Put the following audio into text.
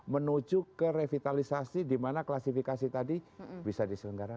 menuju ke revitalisasi dimana klasifikasi tadi bisa diselenggarakan